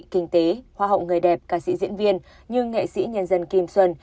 kinh tế hoa hậu người đẹp ca sĩ diễn viên như nghệ sĩ nhân dân kim xuân